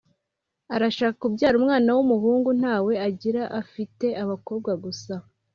Arashaka kubyara umwana wumuhungu ntawe agira afite abakobwa gusa